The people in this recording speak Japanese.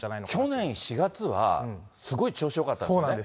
去年４月は、すごい調子よかったんですよね。